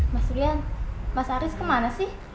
mas rian mas aris kemana sih